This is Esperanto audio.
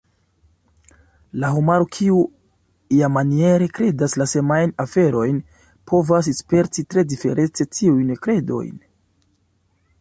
La homaro kiu "iamaniere" kredas la samajn aferojn povas sperti tre diference tiujn kredojn.